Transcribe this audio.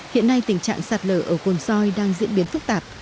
hiện nay tình trạng sạt lở ở cồn soi đang diễn biến phức tạp